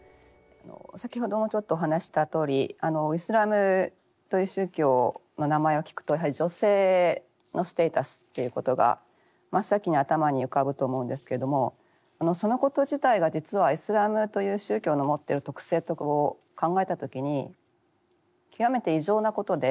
先ほどもちょっとお話したとおりイスラムという宗教の名前を聞くとやはり女性のステータスっていうことが真っ先に頭に浮かぶと思うんですけれどもそのこと自体が実はイスラムという宗教の持ってる特性と考えた時に極めて異常なことで。